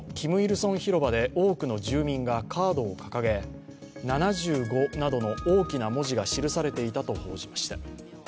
成広場で多くの住民がカードを掲げ「７５」などの大きな文字が記されていたと報じました。